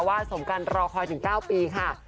สมกันรอคอยถึง๙ปีค่ะ